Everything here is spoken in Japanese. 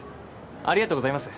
ありがとうございます。